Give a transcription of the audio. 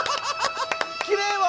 きれいわ！